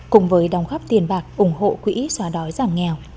cùng với đóng góp tiền bạc ủng hộ quỹ xóa đói giảm nghèo